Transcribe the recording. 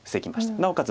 なおかつ